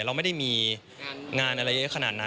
เราไม่ได้มีงานอะไรเยอะขนาดนั้น